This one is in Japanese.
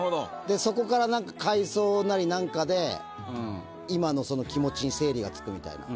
でそこから回想なり何かで今のその気持ちに整理がつくみたいな。